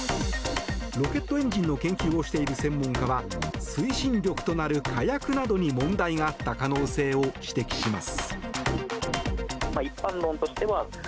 ロケットエンジンの研究をしている専門家は推進力となる火薬などに問題があった可能性を指摘します。